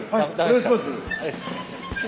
お願いします。